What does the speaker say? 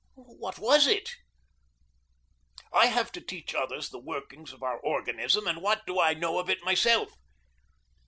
What was it? I have to teach others the workings of our organism, and what do I know of it myself?